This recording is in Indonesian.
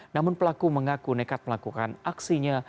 namun pelaku mengaku nekat melakukan aksinya